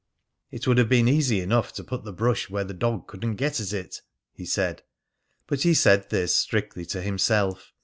"It would have been easy enough to put the brush where the dog couldn't get at it," he said. But he said this strictly to himself.